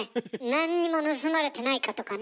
何にも盗まれてないかとかね。